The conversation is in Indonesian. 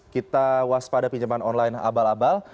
kita waspada pinjaman online abal abal